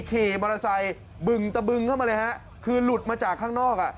ขี่มอเตอร์ไซค์บึงตะบึงเข้ามาเลยฮะคือหลุดมาจากข้างนอกอ่ะ